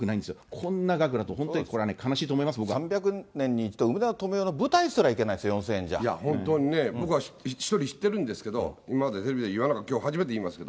こんな額だと、本当にこれはね、３００年に１度、梅沢富美男の舞台すら行けないですよ、本当にね、僕は１人知ってるんですけど、今までテレビで言わなかった、きょう初めて言います。